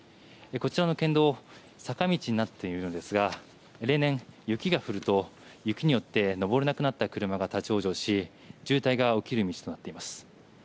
こちらの県道坂道になっているんですが例年、雪が降ると雪によって上れなくなった車が立ち往生し渋滞が起きる道となっています。